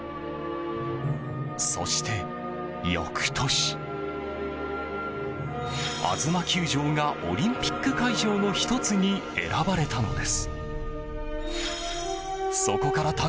そして翌年あづま球場がオリンピック会場の１つに選ばれたのです。